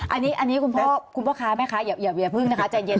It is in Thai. อันนี้คุณพ่อคุณพ่อค้าแม่ค้าอย่าพึ่งนะคะใจเย็น